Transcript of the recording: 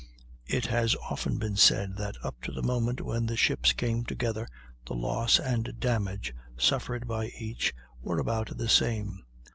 It has often been said that up to the moment when the ships came together the loss and damage suffered by each were about the same.